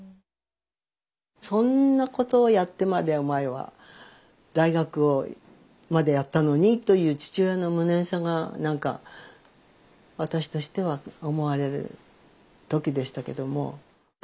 そんなことをやってまでお前は大学までやったのにという父親の無念さが何か私としては思われる時でしたけども。